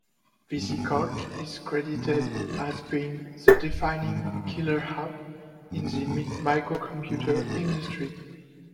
VisiCalc is credited as being the defining "killer app" in the microcomputer industry.